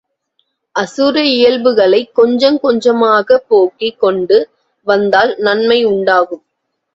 அசுர இயல்புகளைக் கொஞ்சங் கொஞ்சமாகப் போக்கிக் கொண்டு வந்தால் நன்மை உண்டாகும்.